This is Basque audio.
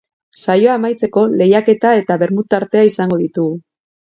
Saioa amaitzeko, lehiaketa eta bermut tartea izango ditugu.